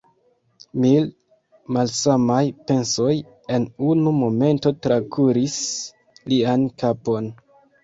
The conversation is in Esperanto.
Mil malsamaj pensoj en unu momento trakuris lian kapon.